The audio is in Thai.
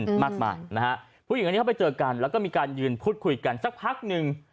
มากมายนะฮะผู้หญิงคนนี้เขาไปเจอกันแล้วก็มีการยืนพูดคุยกันสักพักหนึ่ง